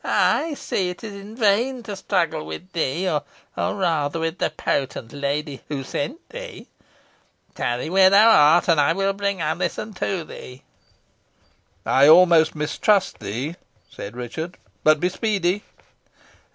"I see it is in vain to struggle with thee, or rather with the potent lady who sent thee. Tarry where thou art, and i will bring Alizon to thee." "I almost mistrust thee," said Richard "but be speedy."